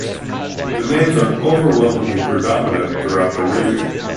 These names are overwhelmingly predominant throughout the region.